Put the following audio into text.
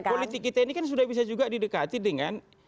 politik kita ini kan sudah bisa juga didekati dengan